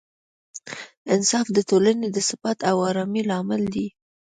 انصاف د ټولنې د ثبات او ارامۍ لامل دی.